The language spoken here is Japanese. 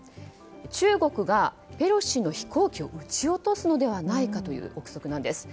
中国がペロシ氏の飛行機を撃ち落とすのではないかという憶測なんです。